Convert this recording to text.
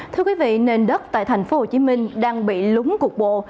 thưa quý vị nền đất tại tp hcm đang bị lúng cục bộ